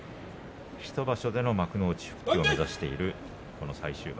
１場所での幕内復帰を目指しています。